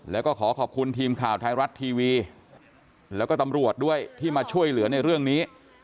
แล้วก็ขอขอบคุณทีมข่าวไทยรัฐทีวีแล้วก็ตำรวจด้วยที่มาช่วยเหลือในเรื่องนี้